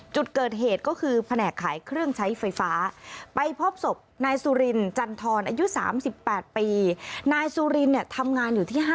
จุดเกิดเหตุก็คือแผนกขายเครื่องใช้ไฟฟ้า